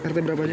tiga rt berapa